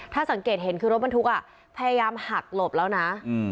ถ้าสังเกตเห็นคือรถบรรทุกพยายามหักหลบแล้วนะ